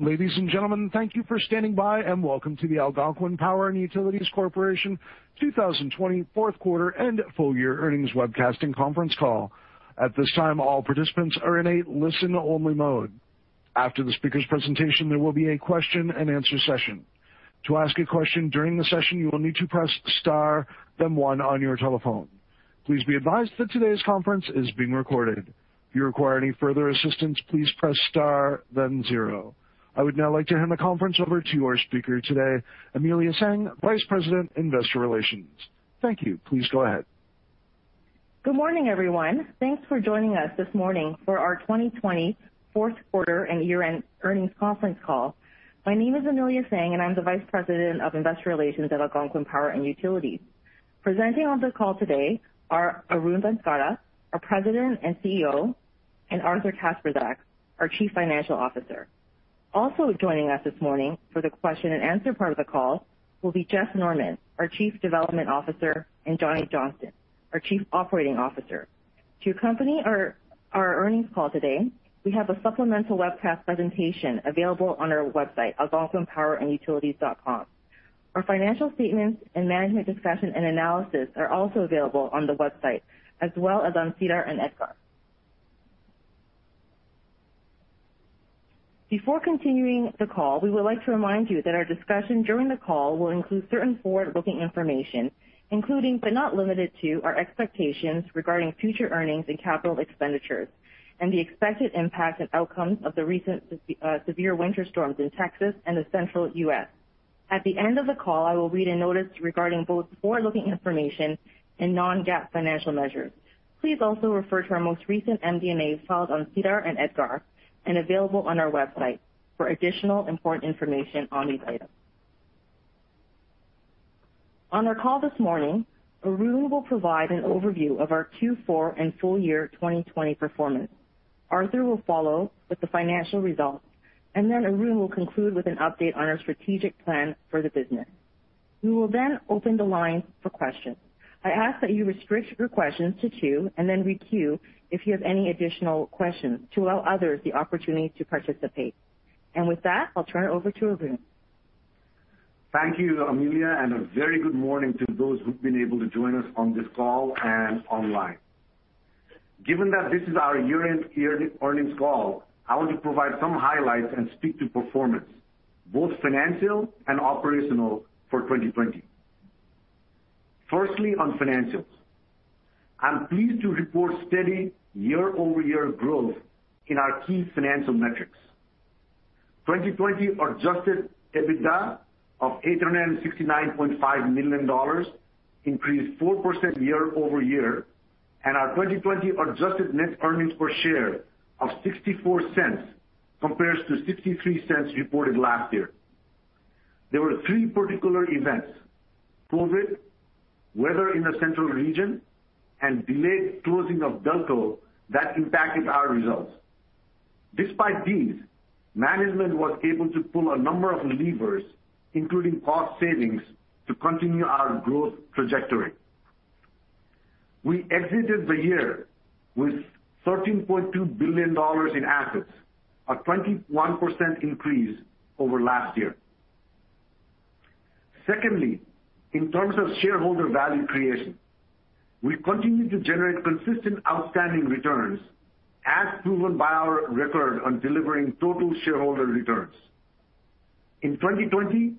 Ladies and gentlemen, thank you for standing by and welcome to the Algonquin Power & Utilities Corp 2020 fourth quarter and full year earnings webcast and conference call. At this time, all participants are in a listen-only mode. After the speaker's presentation, there will be a question and answer session. To ask a question during the session you will need to press star then one your telephone. Please be advised that today's conference is being recorded. If you require any further assistance please press star then zero. I would now like to hand the conference over to our speaker today, Amelia Tsang, Vice President, Investor Relations. Thank you. Please go ahead. Good morning, everyone. Thanks for joining us this morning for our 2020 fourth quarter and year-end earnings conference call. My name is Amelia Tsang, and I'm the Vice President of Investor Relations at Algonquin Power & Utilities. Presenting on the call today are Arun Banskota, our President and CEO, and Arthur Kacprzak, our Chief Financial Officer. Also joining us this morning for the question and answer part of the call will be Jeff Norman, our Chief Development Officer, and Johnny Johnston, our Chief Operating Officer. To accompany our earnings call today, we have a supplemental webcast presentation available on our website, algonquinpowerandutilities.com. Our financial statements and management discussion and analysis are also available on the website, as well as on SEDAR and EDGAR. Before continuing the call, we would like to remind you that our discussion during the call will include certain forward-looking information, including but not limited to, our expectations regarding future earnings and capital expenditures and the expected impact and outcomes of the recent severe winter storms in Texas and the central U.S. At the end of the call, I will read a notice regarding both forward-looking information and non-GAAP financial measures. Please also refer to our most recent MD&As filed on SEDAR and EDGAR and available on our website for additional important information on these items. On our call this morning, Arun will provide an overview of our Q4 and full year 2020 performance. Arthur will follow with the financial results, and then Arun will conclude with an update on our strategic plan for the business. We will open the line for questions. I ask that you restrict your questions to two and then re-queue if you have any additional questions to allow others the opportunity to participate. With that, I'll turn it over to Arun. Thank you, Amelia. A very good morning to those who've been able to join us on this call and online. Given that this is our year-end earnings call, I want to provide some highlights and speak to performance, both financial and operational, for 2020. Firstly, on financials. I'm pleased to report steady year-over-year growth in our key financial metrics. 2020 adjusted EBITDA of $869.5 million increased 4% year-over-year. Our 2020 adjusted net earnings per share of $0.64 compares to $0.63 reported last year. There were three particular events, COVID-19, weather in the central region, and delayed closing of BELCO, that impacted our results. Despite these, management was able to pull a number of levers, including cost savings, to continue our growth trajectory. We exited the year with $13.2 billion in assets, a 21% increase over last year. Secondly, in terms of shareholder value creation, we continue to generate consistent outstanding returns, as proven by our record on delivering total shareholder returns. In 2020,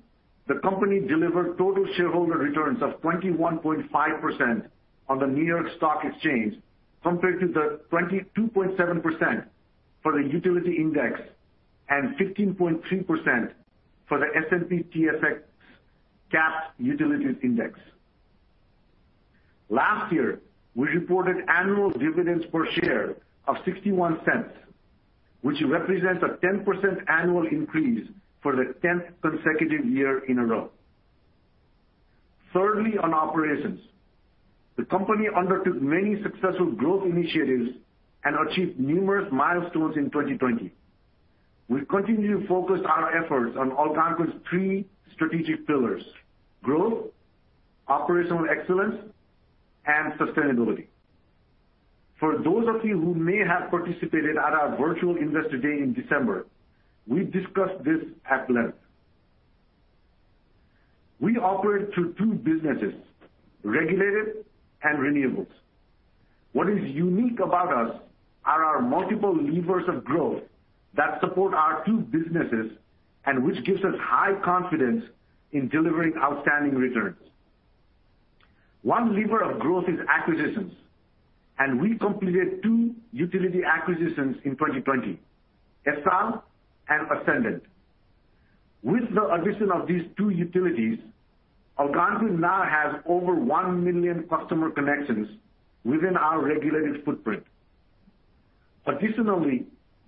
the company delivered total shareholder returns of 21.5% on the New York Stock Exchange, compared to the 22.7% for the utility index and 15.3% for the S&P/TSX Capped Utilities Index. Last year, we reported annual dividends per share of $0.61, which represents a 10% annual increase for the tenth consecutive year in a row. Thirdly, on operations. The company undertook many successful growth initiatives and achieved numerous milestones in 2020. We continue to focus our efforts on Algonquin's three strategic pillars: growth, operational excellence, and sustainability. For those of you who may have participated at our virtual investor day in December, we discussed this at length. We operate through two businesses, Regulated and Renewables. What is unique about us are our multiple levers of growth that support our two businesses and which gives us high confidence in delivering outstanding returns. One lever of growth is acquisitions, and we completed two utility acquisitions in 2020, ESSAL and Ascendant. With the addition of these two utilities, Algonquin now has over one million customer connections within our regulated footprint. Additionally,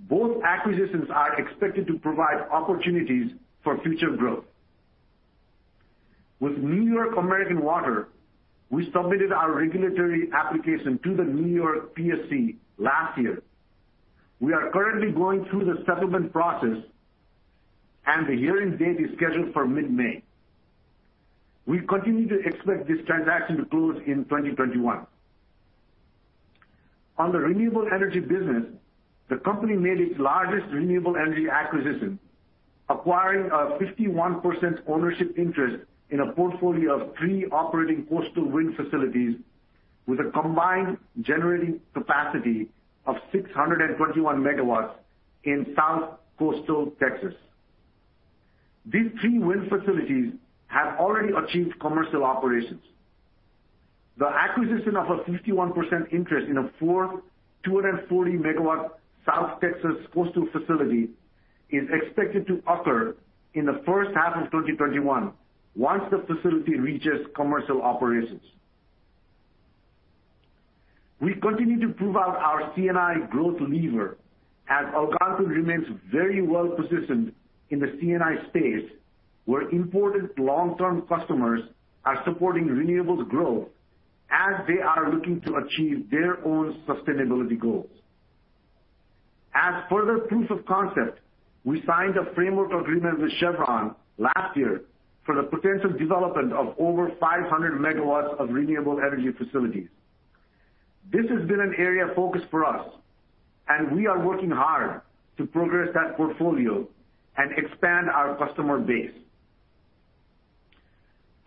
both acquisitions are expected to provide opportunities for future growth. With New York American Water, we submitted our regulatory application to the New York PSC last year. We are currently going through the settlement process, and the hearing date is scheduled for mid-May. We continue to expect this transaction to close in 2021. On the renewable energy business, the company made its largest renewable energy acquisition, acquiring a 51% ownership interest in a portfolio of three operating coastal wind facilities with a combined generating capacity of 621 MW in South Coastal Texas. These three wind facilities have already achieved commercial operations. The acquisition of a 51% interest in a fourth 240 MW South Texas coastal facility is expected to occur in the first half of 2021, once the facility reaches commercial operations. We continue to prove out our C&I growth lever, as Algonquin remains very well-positioned in the C&I space, where important long-term customers are supporting renewables growth as they are looking to achieve their own sustainability goals. As further proof of concept, we signed a framework agreement with Chevron last year for the potential development of over 500 MW of renewable energy facilities. This has been an area of focus for us, and we are working hard to progress that portfolio and expand our customer base.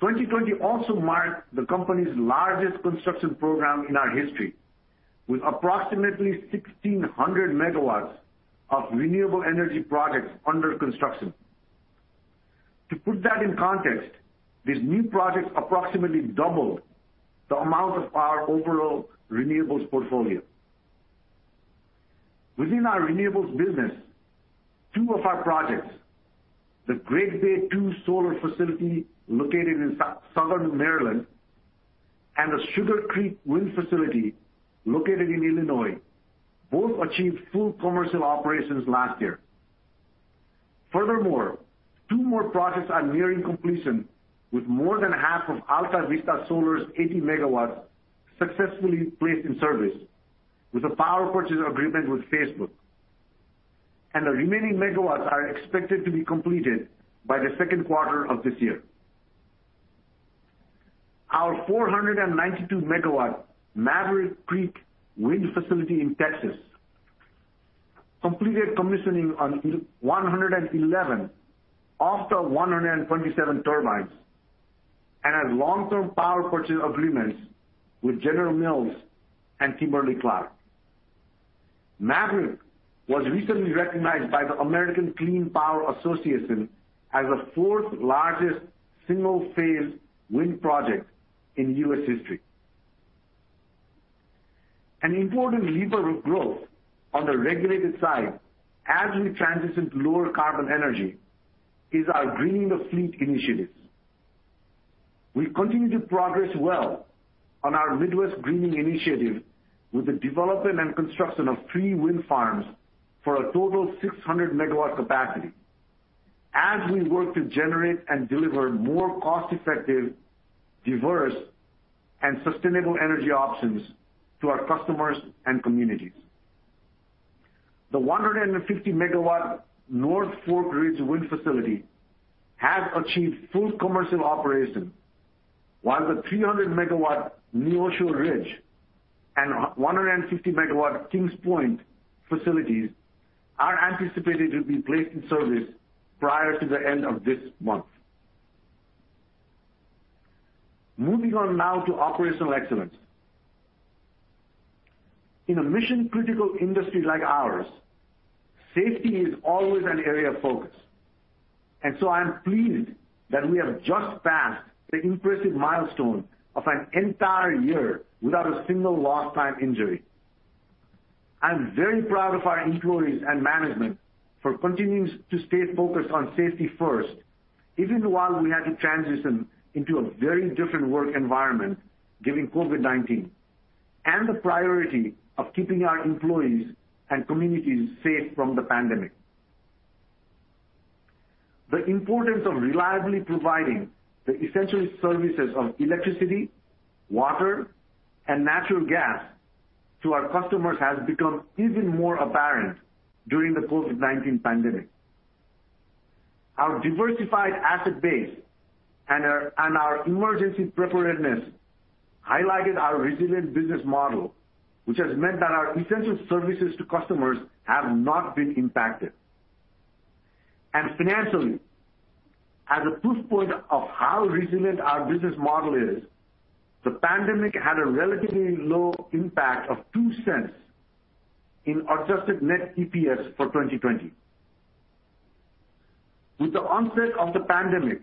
2020 also marked the company's largest construction program in our history, with approximately 1,600 MW of renewable energy projects under construction. To put that in context, these new projects approximately doubled the amount of our overall renewables portfolio. Within our renewables business, two of our projects, the Great Bay II Solar Facility located in Southern Maryland and the Sugar Creek wind facility located in Illinois, both achieved full commercial operations last year. Furthermore, two more projects are nearing completion, with more than half of Altavista Solar's 80 MW successfully placed in service with a power purchase agreement with Facebook. The remaining megawatts are expected to be completed by the second quarter of this year. Our 492 MW Maverick Creek Wind Facility in Texas completed commissioning on 111 of the 127 turbines and has long-term power purchase agreements with General Mills and Kimberly-Clark. Maverick was recently recognized by the American Clean Power Association as the fourth-largest single-phase wind project in U.S. history. An important lever of growth on the regulated side as we transition to lower carbon energy is our Greening the Fleet initiatives. We continue to progress well on our Midwest Greening the Fleet with the development and construction of three wind farms for a total 600 MW capacity as we work to generate and deliver more cost-effective, diverse, and sustainable energy options to our customers and communities. The 150 MW North Fork Ridge Wind Facility has achieved full commercial operation, while the 300 MW Neosho Ridge and 150 MW Kings Point facilities are anticipated to be placed in service prior to the end of this month. Moving on now to operational excellence. In a mission-critical industry like ours, safety is always an area of focus, and so I am pleased that we have just passed the impressive milestone of an entire year without a single lost-time injury. I'm very proud of our employees and management for continuing to stay focused on safety first, even while we had to transition into a very different work environment given COVID-19 and the priority of keeping our employees and communities safe from the pandemic. The importance of reliably providing the essential services of electricity, water, and natural gas to our customers has become even more apparent during the COVID-19 pandemic. Our diversified asset base and our emergency preparedness highlighted our resilient business model, which has meant that our essential services to customers have not been impacted. Financially, as a proof point of how resilient our business model is, the pandemic had a relatively low impact of $0.02 in adjusted net EPS for 2020. With the onset of the pandemic,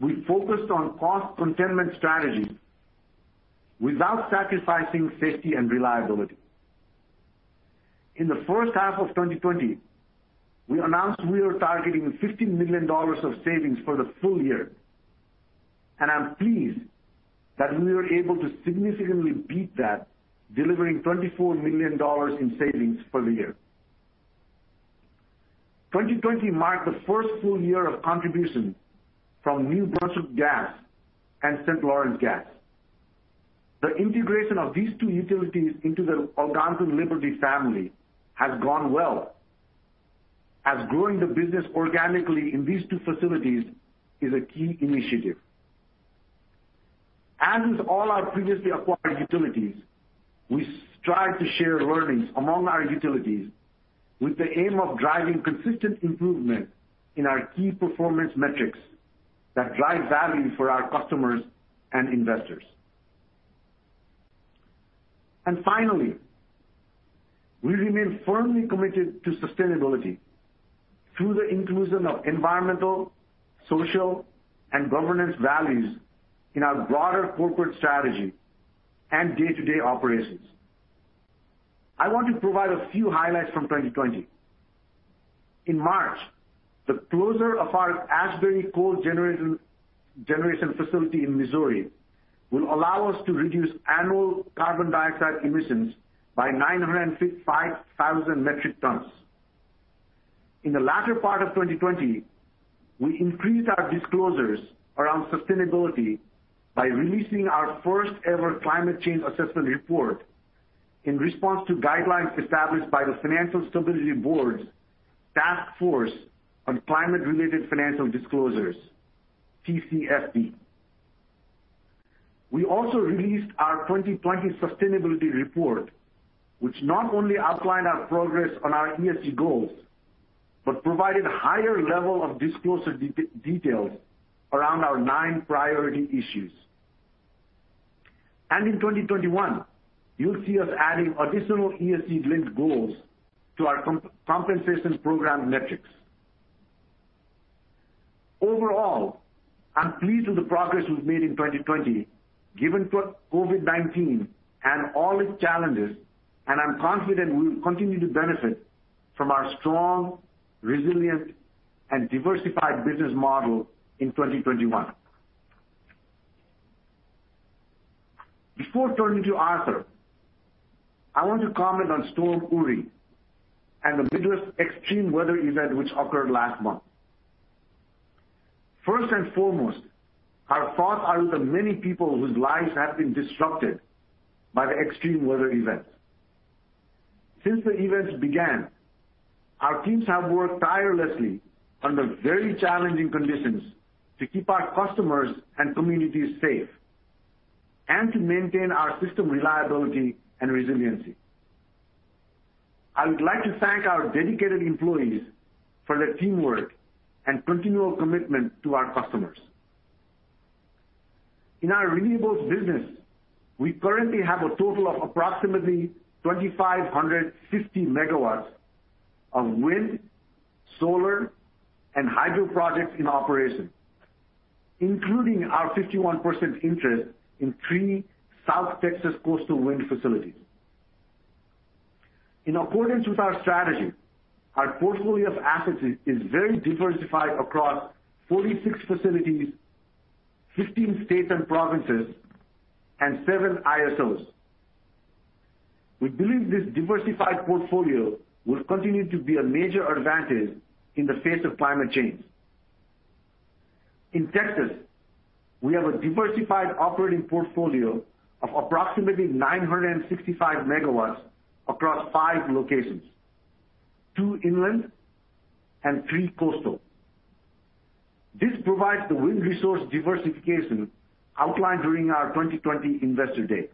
we focused on cost containment strategies without sacrificing safety and reliability. In the first half of 2020, we announced we were targeting $15 million of savings for the full year, and I'm pleased that we were able to significantly beat that, delivering $24 million in savings for the year. 2020 marked the first full year of contribution from Enbridge Gas New Brunswick and St. Lawrence Gas. The integration of these two utilities into the Algonquin Liberty family has gone well. As growing the business organically in these two facilities is a key initiative. As with all our previously acquired utilities, we strive to share learnings among our utilities with the aim of driving consistent improvement in our key performance metrics that drive value for our customers and investors. Finally, we remain firmly committed to sustainability through the inclusion of environmental, social, and governance values in our broader corporate strategy and day-to-day operations. I want to provide a few highlights from 2020. In March, the closure of our Asbury coal generation facility in Missouri will allow us to reduce annual carbon dioxide emissions by 955,000 metric tons. In the latter part of 2020, we increased our disclosures around sustainability by releasing our first-ever climate change assessment report in response to guidelines established by the Financial Stability Board's Task Force on Climate-Related Financial Disclosures, TCFD. We also released our 2020 sustainability report, which not only outlined our progress on our ESG goals, but provided higher level of disclosure details around our nine priority issues. In 2021, you'll see us adding additional ESG-linked goals to our compensation program metrics. Overall, I'm pleased with the progress we've made in 2020, given COVID-19 and all its challenges, and I'm confident we will continue to benefit from our strong, resilient, and diversified business model in 2021. Before turning to Arthur, I want to comment on Storm Uri and the Midwest extreme weather event which occurred last month. First and foremost, our thoughts are with the many people whose lives have been disrupted by the extreme weather events. Since the events began, our teams have worked tirelessly under very challenging conditions to keep our customers and communities safe and to maintain our system reliability and resiliency. I would like to thank our dedicated employees for their teamwork and continual commitment to our customers. In our renewables business, we currently have a total of approximately 2,550 MW of wind, solar, and hydro projects in operation, including our 51% interest in three South Texas coastal wind facilities. In accordance with our strategy, our portfolio of assets is very diversified across 46 facilities, 15 states and provinces, and seven ISOs. We believe this diversified portfolio will continue to be a major advantage in the face of climate change. In Texas, we have a diversified operating portfolio of approximately 965 MW across five locations, two inland and three coastal. This provides the wind resource diversification outlined during our 2020 Investor Day.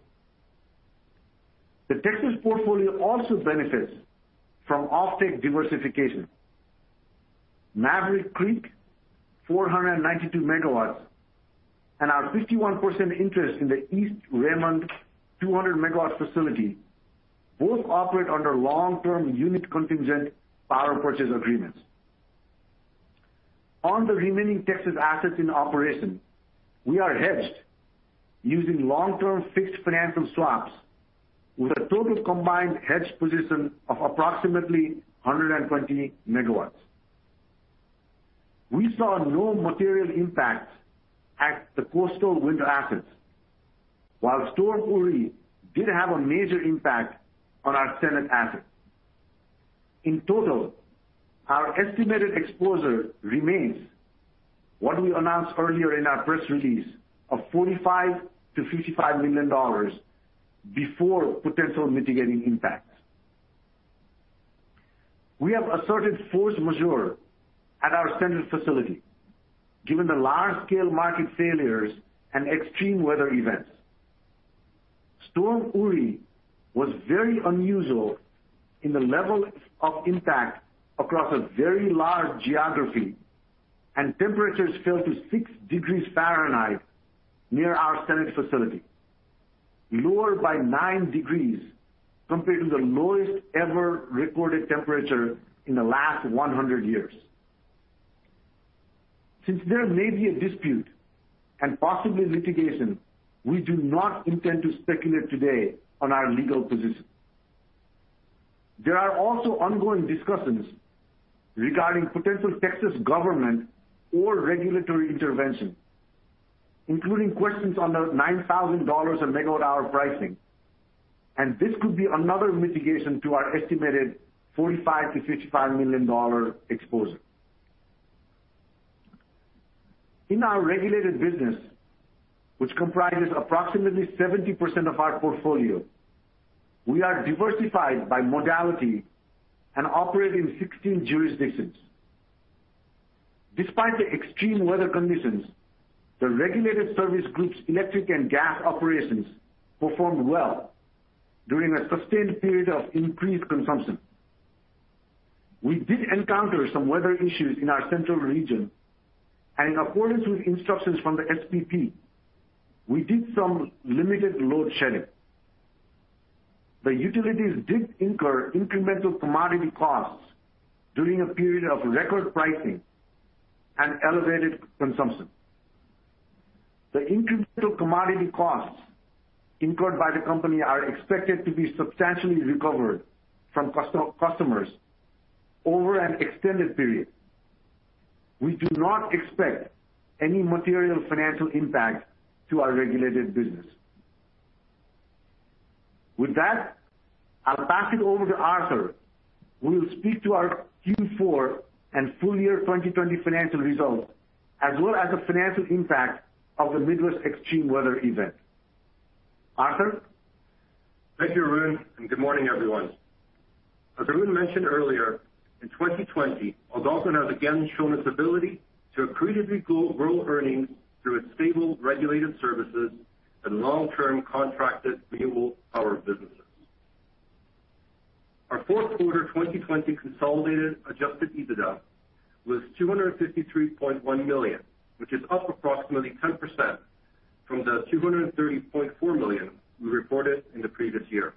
The Texas portfolio also benefits from offtake diversification. Maverick Creek, 492 MW, and our 51% interest in the East Raymond 200 MW facility both operate under long-term unit contingent power purchase agreements. On the remaining Texas assets in operation, we are hedged using long-term fixed financial swaps with a total combined hedge position of approximately 120 MW. We saw no material impact at the coastal wind assets, while Storm Uri did have a major impact on our Senate asset. In total, our estimated exposure remains what we announced earlier in our press release of $45 million-$55 million before potential mitigating impacts. We have asserted force majeure at our central facility, given the large-scale market failures and extreme weather events. Storm Uri was very unusual in the level of impact across a very large geography. Temperatures fell to 6 degrees Fahrenheit near our Senate facility, lower by 9 degrees compared to the lowest ever recorded temperature in the last 100 years. Since there may be a dispute and possibly litigation, we do not intend to speculate today on our legal position. There are also ongoing discussions regarding potential Texas government or regulatory intervention, including questions on the $9,000 a MWh pricing. This could be another mitigation to our estimated $45 million-$55 million exposure. In our regulated business, which comprises approximately 70% of our portfolio, we are diversified by modality and operate in 16 jurisdictions. Despite the extreme weather conditions, the Regulated Services Group's electric and gas operations performed well during a sustained period of increased consumption. We did encounter some weather issues in our central region, and in accordance with instructions from the SPP, we did some limited load shedding. The utilities did incur incremental commodity costs during a period of record pricing and elevated consumption. The incremental commodity costs incurred by the company are expected to be substantially recovered from customers over an extended period. We do not expect any material financial impact to our regulated business. With that, I'll pass it over to Arthur, who will speak to our Q4 and full year 2020 financial results, as well as the financial impact of the Midwest extreme weather event. Arthur? Thank you, Arun. Good morning, everyone. As Arun mentioned earlier, in 2020, Algonquin has again shown its ability to accretively grow earnings through its stable regulated services and long-term contracted renewable power businesses. Our fourth quarter 2020 consolidated adjusted EBITDA was $253.1 million, which is up approximately 10% from the $230.4 million we reported in the previous year.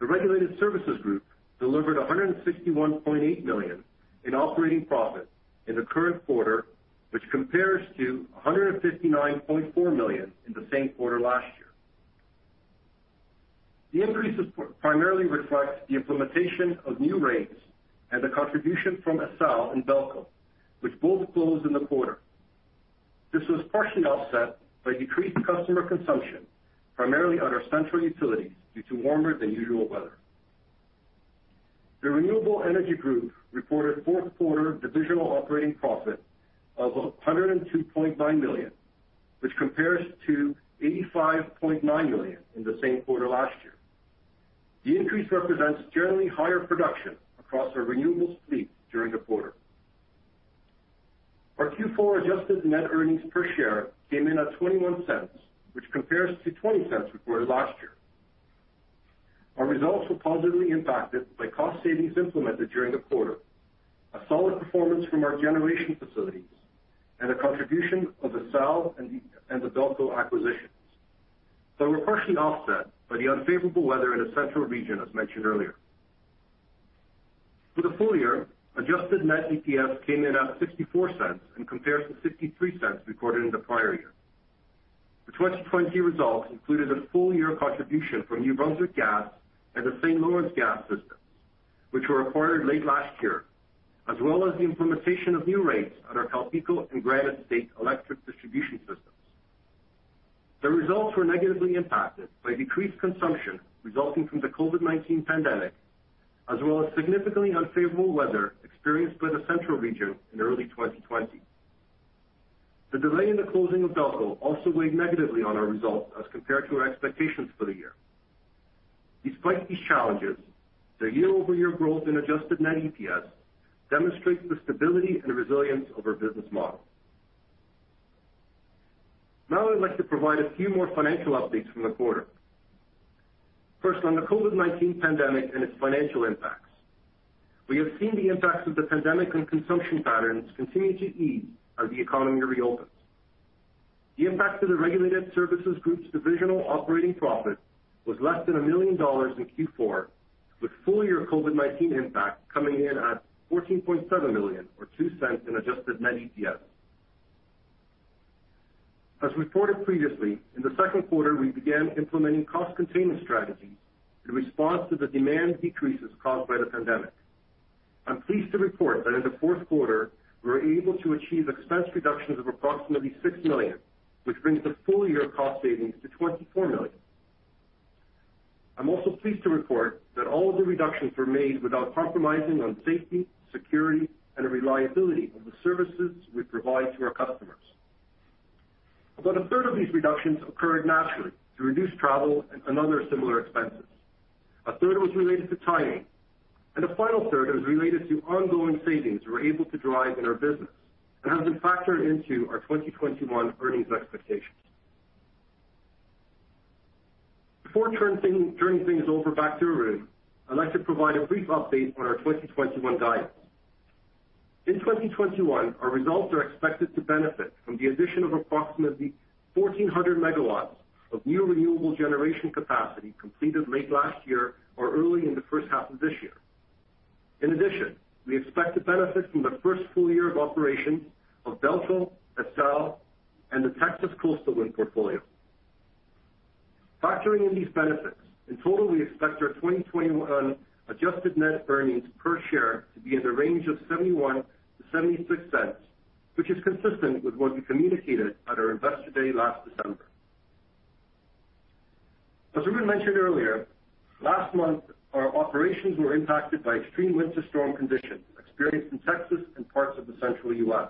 The Regulated Services Group delivered $161.8 million in operating profit in the current quarter, which compares to $159.4 million in the same quarter last year. The increase primarily reflects the implementation of new rates and the contribution from ESSAL and BELCO, which both closed in the quarter. This was partially offset by decreased customer consumption, primarily at our central utilities, due to warmer than usual weather. The Renewable Energy Group reported fourth quarter divisional operating profit of $102.9 million, which compares to $85.9 million in the same quarter last year. The increase represents generally higher production across our renewables fleet during the quarter. Our Q4 adjusted net earnings per share came in at $0.21, which compares to $0.20 reported last year. Our results were positively impacted by cost savings implemented during the quarter, a solid performance from our generation facilities, and the contribution of ESSAL and the BELCO acquisitions. They were partially offset by the unfavorable weather in the central region, as mentioned earlier. For the full year, adjusted net EPS came in at $0.64 and compares to $0.63 recorded in the prior year. The 2020 results included a full-year contribution from New Brunswick Gas and the St. Lawrence Gas systems, which were acquired late last year, as well as the implementation of new rates at our CalPeco and Granite State electric distribution systems. The results were negatively impacted by decreased consumption resulting from the COVID-19 pandemic, as well as significantly unfavorable weather experienced by the central region in early 2020. The delay in the closing of BELCO also weighed negatively on our results as compared to our expectations for the year. Despite these challenges, the year-over-year growth in adjusted net EPS demonstrates the stability and resilience of our business model. I'd like to provide a few more financial updates from the quarter. On the COVID-19 pandemic and its financial impacts. We have seen the impacts of the pandemic on consumption patterns continue to ease as the economy reopens. The impact to the Regulated Services Group's divisional operating profit was less than $1 million in Q4, with full-year COVID-19 impact coming in at $14.7 million or $0.02 in adjusted net EPS. As reported previously, in the second quarter, we began implementing cost-containment strategies in response to the demand decreases caused by the pandemic. I'm pleased to report that in the fourth quarter, we were able to achieve expense reductions of approximately $6 million, which brings the full-year cost savings to $24 million. I'm also pleased to report that all of the reductions were made without compromising on safety, security, and the reliability of the services we provide to our customers. About a third of these reductions occurred naturally through reduced travel and other similar expenses. A third was related to timing, and a final third was related to ongoing savings we're able to drive in our business and have been factored into our 2021 earnings expectations. Before turning things over back to Arun, I'd like to provide a brief update on our 2021 guidance. In 2021, our results are expected to benefit from the addition of approximately 1,400 MW of new renewable generation capacity completed late last year or early in the first half of this year. In addition, we expect to benefit from the first full year of operation of BELCO, ESSAL, and the Texas Coastal Wind Facilities. Factoring in these benefits, in total, we expect our 2021 adjusted net earnings per share to be in the range of $0.71-$0.76, which is consistent with what we communicated at our Investor Day last December. As Arun Banskota mentioned earlier, last month, our operations were impacted by extreme winter storm conditions experienced in Texas and parts of the central U.S.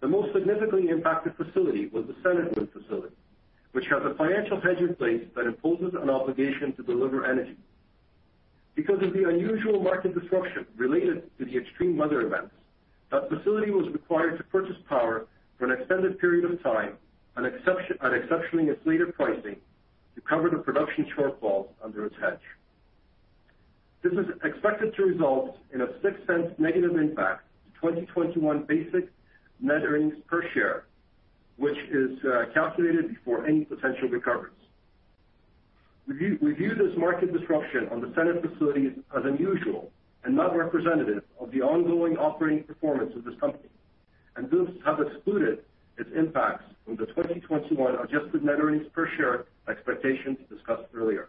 The most significantly impacted facility was the Senate Wind Project, which has a financial hedge in place that imposes an obligation to deliver energy. Because of the unusual market disruption related to the extreme weather events, that facility was required to purchase power for an extended period of time at exceptionally inflated pricing to cover the production shortfalls under its hedge. This is expected to result in a $ER40.06 negative impact to 2021 basic net earnings per share, which is calculated before any potential recoveries. We view this market disruption on the Senate Wind Project as unusual and not representative of the ongoing operating performance of this company, and thus have excluded its impacts from the 2021 adjusted net earnings per share expectations discussed earlier.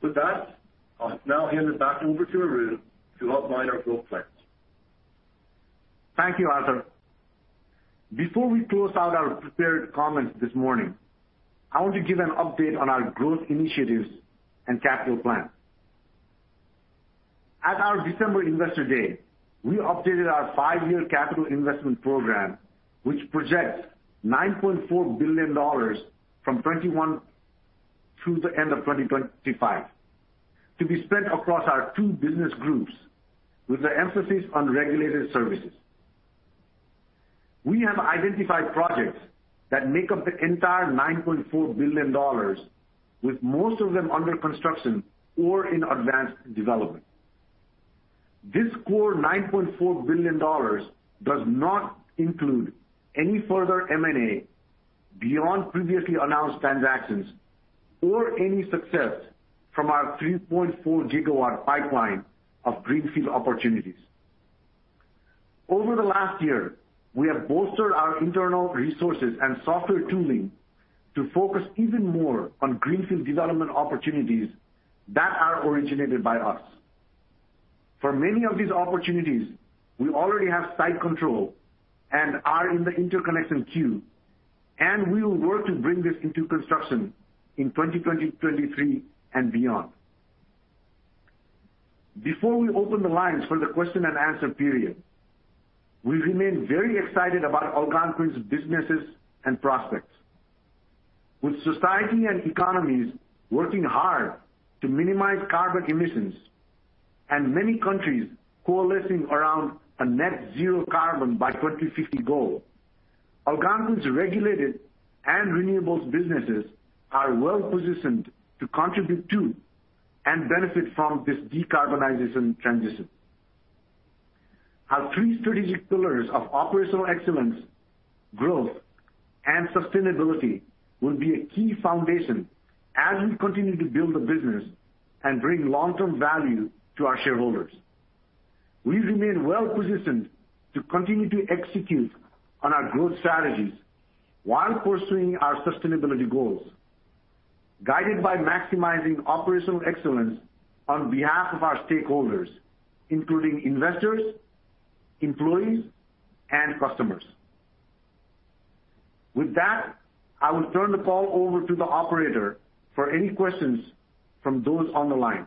With that, I'll now hand it back over to Arun to outline our growth plans. Thank you, Arthur. Before we close out our prepared comments this morning, I want to give an update on our growth initiatives and capital plans. At our December investor day, we updated our five-year capital investment program, which projects $9.4 billion from 2021 through the end of 2025 to be spent across our two business groups with an emphasis on Regulated Services. We have identified projects that make up the entire $9.4 billion, with most of them under construction or in advanced development. This core $9.4 billion does not include any further M&A beyond previously announced transactions or any success from our 3.4 GW pipeline of greenfield opportunities. Over the last year, we have bolstered our internal resources and software tooling to focus even more on greenfield development opportunities that are originated by us. For many of these opportunities, we already have site control and are in the interconnection queue, and we will work to bring this into construction in 2023 and beyond. Before we open the lines for the question and answer period, we remain very excited about Algonquin's businesses and prospects. With society and economies working hard to minimize carbon emissions and many countries coalescing around a net zero carbon by 2050 goal, Algonquin's regulated and renewables businesses are well-positioned to contribute to and benefit from this decarbonization transition. Our three strategic pillars of operational excellence, growth, and sustainability will be a key foundation as we continue to build the business and bring long-term value to our shareholders. We remain well-positioned to continue to execute on our growth strategies while pursuing our sustainability goals, guided by maximizing operational excellence on behalf of our stakeholders, including investors, employees, and customers. With that, I will turn the call over to the operator for any questions from those on the line.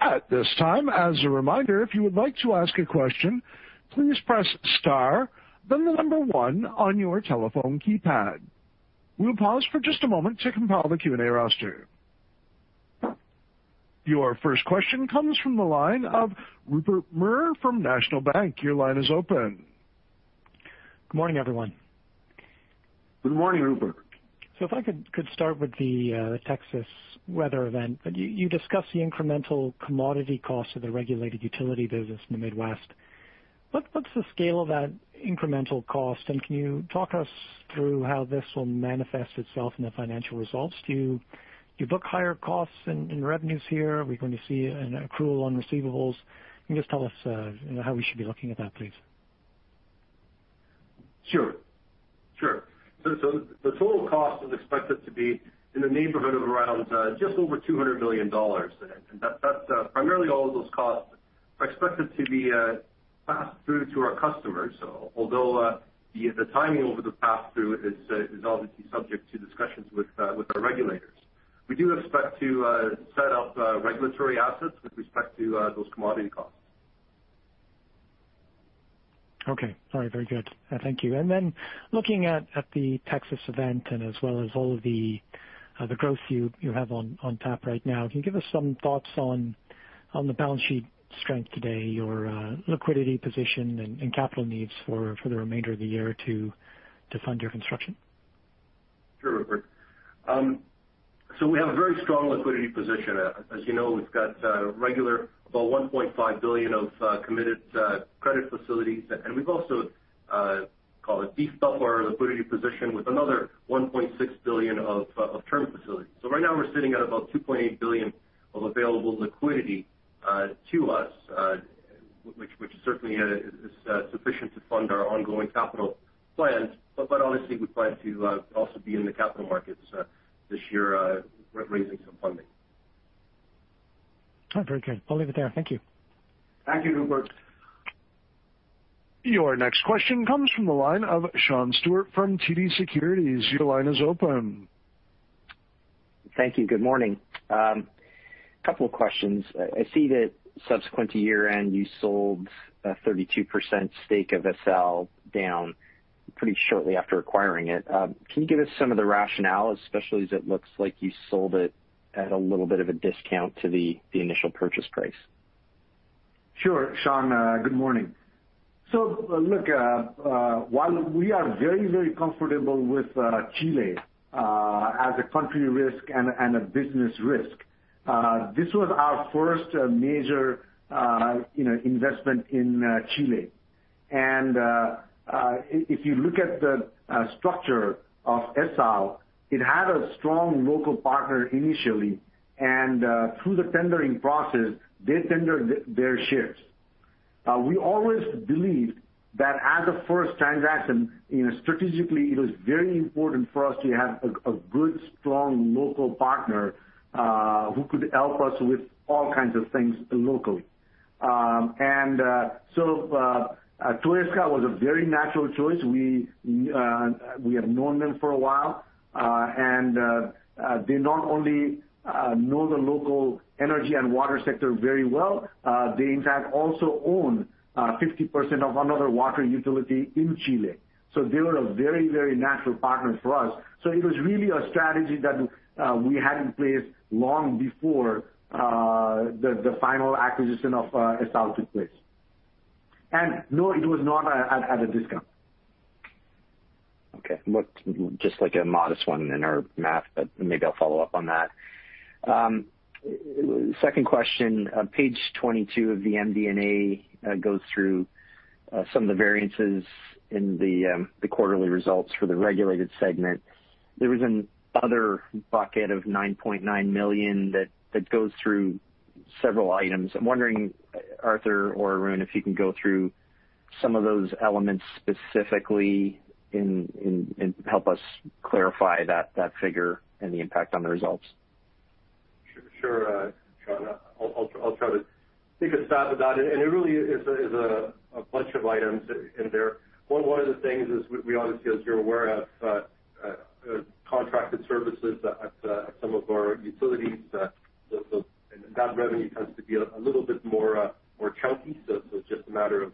At this time as a reminder if you would like to ask a question please press the number one on the telephone key pad. We'll pause for just a moment to compile the Q&A roster. Your first question comes from the line of Rupert Merer from National Bank. Your line is open. Good morning, everyone. Good morning, Rupert. If I could start with the Texas weather event. You discussed the incremental commodity cost of the regulated utility business in the Midwest. What's the scale of that incremental cost, and can you talk us through how this will manifest itself in the financial results? Do you book higher costs in revenues here? Are we going to see an accrual on receivables? Can you just tell us how we should be looking at that, please? Sure. The total cost is expected to be in the neighborhood of around just over $200 million. Primarily all of those costs are expected to be passed through to our customers, although the timing over the pass-through is obviously subject to discussions with our regulators. We do expect to set up regulatory assets with respect to those commodity costs. Okay. All right. Very good. Thank you. Looking at the Texas event and as well as all of the growth you have on tap right now, can you give us some thoughts on the balance sheet strength today or liquidity position and capital needs for the remainder of the year to fund your construction? Sure, Rupert. We have a very strong liquidity position. As you know, we've got regular about $1.5 billion of committed credit facilities, and we've also beefed up our liquidity position with another $1.6 billion of term facilities. Right now we're sitting at about $2.8 billion of available liquidity to us, which certainly is sufficient to fund our ongoing capital plans. Honestly, we plan to also be in the capital markets this year, raising some funding. Very good. I'll leave it there. Thank you. Thank you, Rupert. Your next question comes from the line of Sean Steuart from TD Securities. Your line is open. Thank you. Good morning. A couple of questions. I see that subsequent to year-end, you sold a 32% stake of ESSAL down pretty shortly after acquiring it. Can you give us some of the rationale, especially as it looks like you sold it at a little bit of a discount to the initial purchase price? Sure, Sean. Good morning. Look, while we are very comfortable with Chile, as a country risk and a business risk. This was our first major investment in Chile. If you look at the structure of ESSAL, it had a strong local partner initially. Through the tendering process, they tendered their shares. We always believed that as a first transaction, strategically, it was very important for us to have a good, strong local partner, who could help us with all kinds of things locally. Toesca was a very natural choice. We have known them for a while. They not only know the local energy and water sector very well, they in fact also own 50% of another water utility in Chile. They were a very natural partner for us. It was really a strategy that we had in place long before the final acquisition of ESSAL took place. No, it was not at a discount. Okay. Looked just like a modest one in our math, but maybe I'll follow up on that. Second question, page 22 of the MD&A goes through some of the variances in the quarterly results for the regulated segment. There was an other bucket of $9.9 million that goes through several items. I'm wondering, Arthur or Arun, if you can go through some of those elements specifically and help us clarify that figure and the impact on the results. Sure. Sean, I'll try to take a stab at that. It really is a bunch of items in there. One of the things is we obviously, as you're aware, have contracted services at some of our utilities. That revenue tends to be a little bit more chunky, so it's just a matter of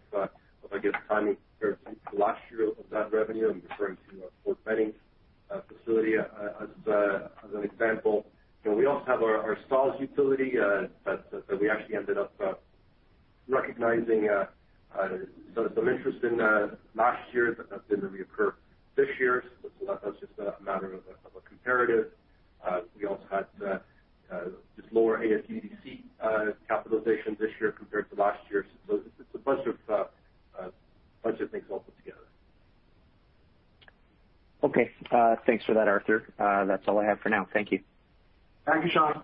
timing compared to last year of that revenue. I'm referring to our Fort Bend facility as an example. We also have our ESSAL utility, that we actually ended up recognizing some interest in last year that didn't reoccur this year. That's just a matter of a comparative. We also had just lower AFUDC capitalization this year compared to last year. It's a bunch of things all put together. Okay. Thanks for that, Arthur. That's all I have for now. Thank you. Thank you, Sean.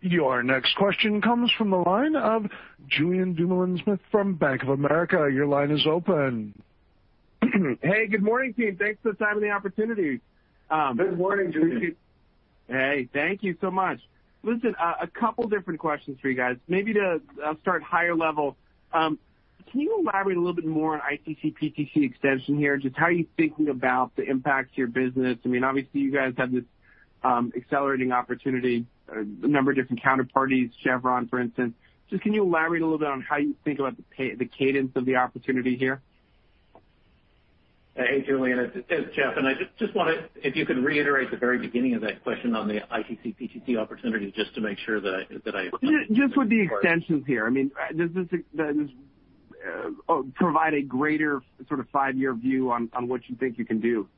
Your next question comes from the line of Julien Dumoulin-Smith from Bank of America. Your line is open. Hey, good morning, team. Thanks for the time and the opportunity. Good morning, Julien. Hey, thank you so much. Listen, a couple different questions for you guys. Maybe to start higher-level, can you elaborate a little bit more on ITC/PTC extension here? How are you thinking about the impact to your business? Obviously, you guys have this accelerating opportunity, a number of different counterparties, Chevron, for instance. Can you elaborate a little bit on how you think about the cadence of the opportunity here? Hey, Julien, it's Jeff. I just wonder if you could reiterate the very beginning of that question on the ITC/PTC opportunity. Just with the extensions here. Does this provide a greater sort of five-year view on what you think you can do?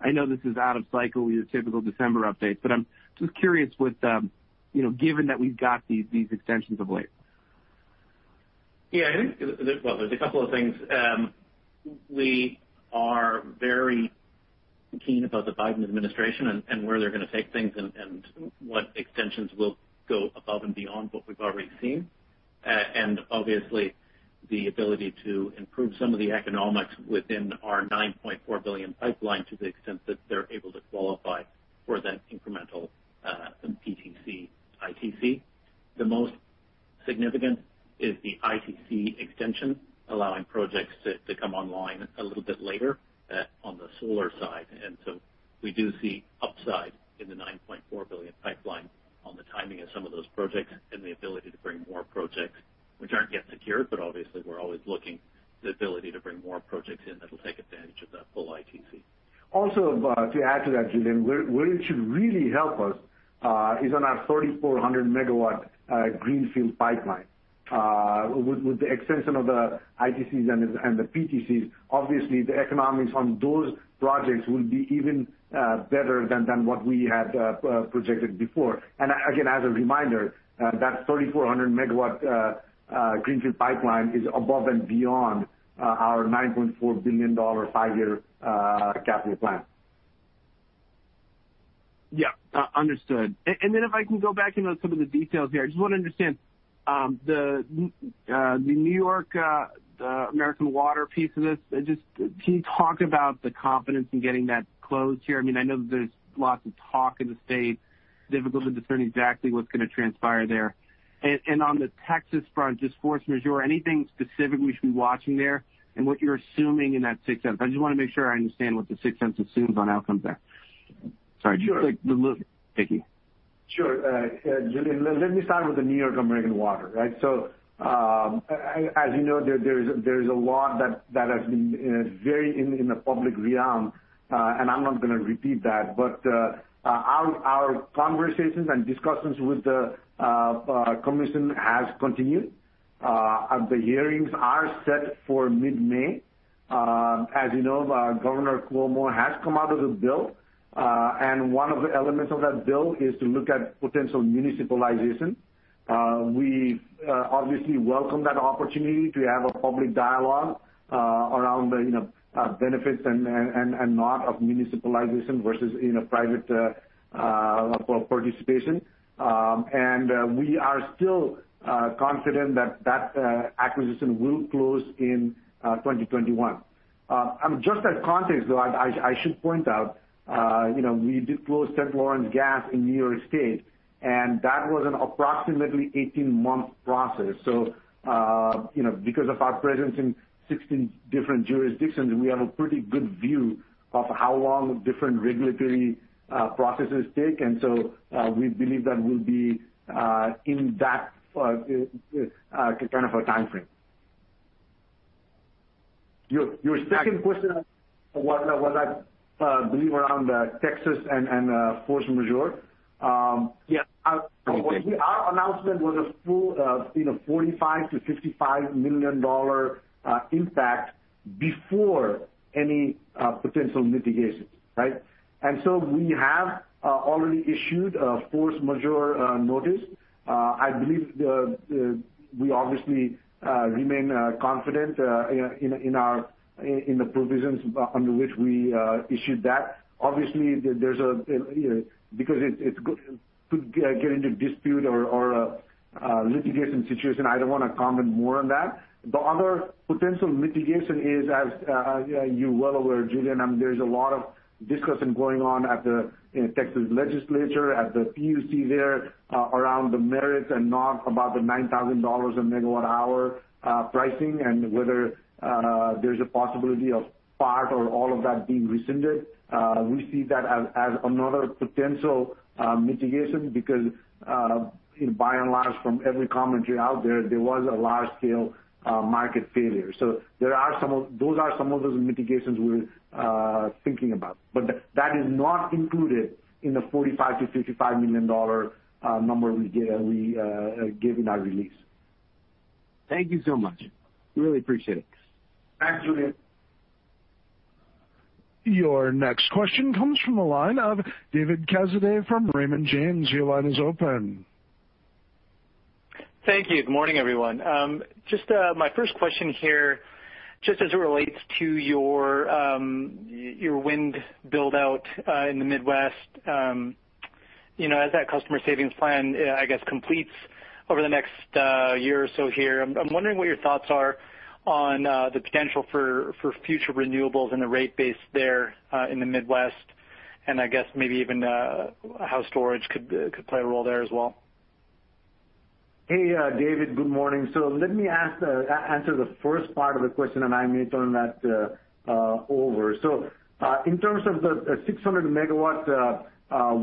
I know this is out of cycle with your typical December updates, but I'm just curious given that we've got these extensions of late. I think there's a couple of things. We are very keen about the Biden administration and where they're going to take things and what extensions will go above and beyond what we've already seen. Obviously, the ability to improve some of the economics within our $9.4 billion pipeline to the extent that they're able to qualify for that incremental PTC/ITC. The most significant is the ITC extension, allowing projects to come online a little bit later on the solar side. So we do see upside in the $9.4 billion pipeline on the timing of some of those projects and the ability to bring more projects, which aren't yet secured, but obviously we're always looking at the ability to bring more projects in that'll take advantage of that full ITC. To add to that, Julien, where it should really help us, is on our 3,400 MW greenfield pipeline. With the extension of the ITCs and the PTCs, obviously, the economics on those projects will be even better than what we had projected before. Again, as a reminder, that 3,400 MW greenfield pipeline is above and beyond our $9.4 billion five-year capital plan. Yeah. Understood. If I can go back into some of the details here, I just want to understand the New York American Water piece of this, can you talk about the confidence in getting that closed here? I know that there's lots of talk in the state, difficult to discern exactly what's going to transpire there. On the Texas front, just force majeure, anything specific we should be watching there and what you're assuming in that sixth sense? I just want to make sure I understand what the sixth sense assumes on outcomes there. Sorry. Sure. Just like the taking. Sure. Julien, let me start with the New York American Water, right? As you know, there is a lot that has been very in the public realm, and I'm not going to repeat that. Our conversations and discussions with the commission have continued. The hearings are set for mid-May. As you know, Andrew Cuomo has come out with a bill, and one of the elements of that bill is to look at potential municipalization. We obviously welcome that opportunity to have a public dialogue around the benefits and not of municipalization versus private participation. We are still confident that acquisition will close in 2021. Just as context, though, I should point out we did close St. Lawrence Gas in New York State, and that was an approximately 18-month process. Because of our presence in 16 different jurisdictions, we have a pretty good view of how long different regulatory processes take. We believe that we'll be in that kind of a timeframe. Your second question was, I believe, around Texas and force majeure. Yeah. Our announcement was a full $45 million-$55 million impact before any potential mitigation, right? We have already issued a force majeure notice. I believe we obviously remain confident in the provisions under which we issued that. Obviously, because it could get into a dispute or a litigation situation, I don't want to comment more on that. The other potential litigation is, as you're well aware, Julien, there's a lot of discussion going on at the Texas Legislature, at the PUC there around the merits and not about the $9,000 a MWh pricing and whether there's a possibility of part or all of that being rescinded. We see that as another potential mitigation because, by and large, from every commentary out there was a large-scale market failure. Those are some of those mitigations we're thinking about. That is not included in the $45 million-$55 million number we gave in our release. Thank you so much. Really appreciate it. Thanks, Julien. Your next question comes from the line of David Quezada from Raymond James. Your line is open. Thank you. Good morning, everyone. My first question here, just as it relates to your wind build-out in the Midwest. As that customer savings plan completes over the next year or so here, I'm wondering what your thoughts are on the potential for future renewables and the rate base there in the Midwest, I guess maybe even how storage could play a role there as well. Hey, David. Good morning. Let me answer the first part of the question, and I may turn that over. In terms of the 600 MW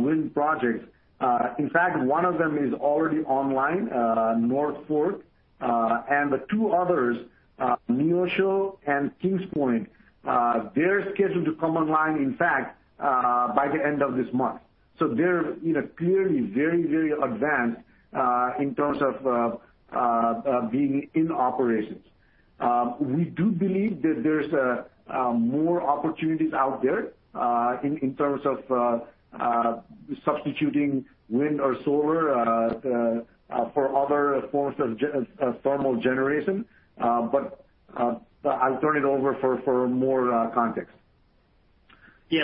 wind projects, in fact, one of them is already online, North Fork. The two others, Neosho and Kingspoint, they're scheduled to come online, in fact, by the end of this month. They're clearly very advanced in terms of being in operations. We do believe that there's more opportunities out there in terms of substituting wind or solar for other forms of thermal generation. I'll turn it over for more context. Yeah.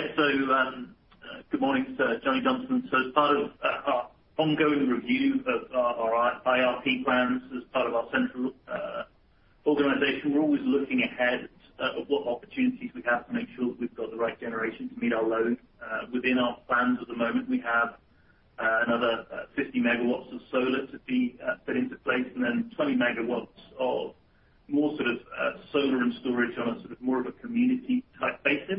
Good morning, sir. Johnny Johnston. As part of our ongoing review of our IRP plans, as part of our central organization, we're always looking ahead at what opportunities we have to make sure that we've got the right generation to meet our load. Within our plans at the moment, we have another 50 MW of solar to be put into place and then 20 MW of more sort of solar and storage on a sort of more of a community-type basis.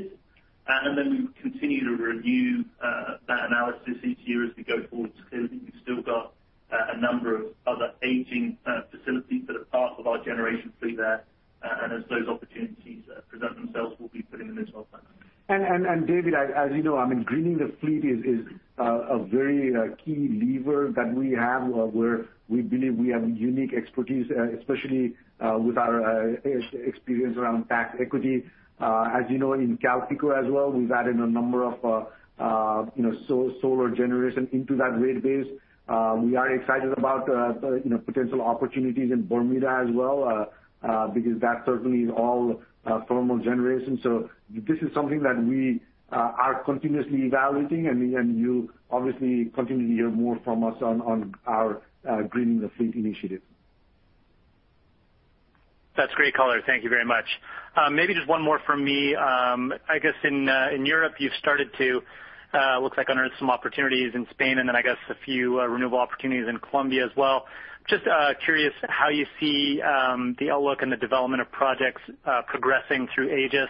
We continue to review that analysis each year as we go forward because we've still got a number of other aging facilities that are part of our generation fleet there. As those opportunities present themselves, we'll be putting them in as well. David, as you know, Greening the Fleet is a very key lever that we have where we believe we have unique expertise, especially with our experience around tax equity. You know, in CalPeco as well, we've added a number of solar generation into that rate base. We are excited about potential opportunities in Bermuda as well, because that certainly is all thermal generation. This is something that we are continuously evaluating, and you obviously continue to hear more from us on our Greening the Fleet initiative. That's great color. Thank you very much. Maybe just one more from me. I guess in Europe, you've started to, looks like, unearth some opportunities in Spain and then I guess a few renewable opportunities in Colombia as well. Just curious how you see the outlook and the development of projects progressing through AAGES.